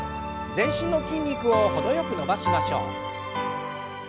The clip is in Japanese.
全身の筋肉を程よく伸ばしましょう。